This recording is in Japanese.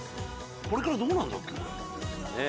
これからどうなるんだっけ？